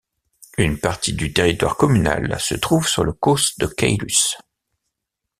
Une partie du territoire communal se trouve sur le causse de Caylus.